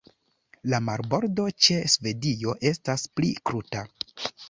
La marbordo ĉe Svedio estas pli kruta.